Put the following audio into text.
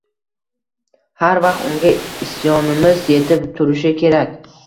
Har vaqt unga isyonimiz yetib turishi kerak…